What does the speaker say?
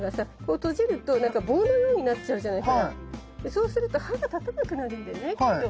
そうすると歯が立たなくなるんだよねきっと。